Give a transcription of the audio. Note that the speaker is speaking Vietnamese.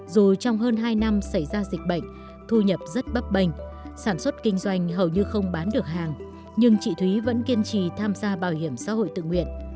dù trong hơn hai năm xảy ra dịch bệnh thu nhập rất bấp bênh sản xuất kinh doanh hầu như không bán được hàng nhưng chị thúy vẫn kiên trì tham gia bảo hiểm xã hội tự nguyện